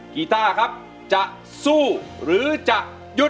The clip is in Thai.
กีต้าครับจะสู้หรือจะหยุด